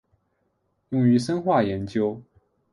用于生化研究。